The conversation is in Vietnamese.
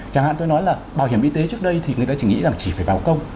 chẳng hạn tôi nói là bảo hiểm y tế trước đây thì người ta chỉ nghĩ rằng chỉ phải vào công